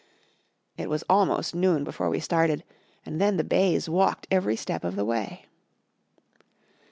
It was almost noon before we started and then the bays walked every step of the way.